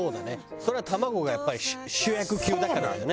それは卵がやっぱり主役級だからだよね。